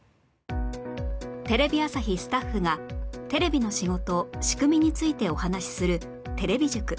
テレビ朝日スタッフがテレビの仕事仕組みについてお話しするテレビ塾